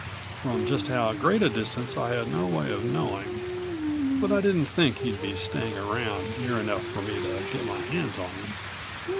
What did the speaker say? From just how great a distance I had no way of knowing. But I didn't think he'd be staying around, near enough for me to get my hands on him.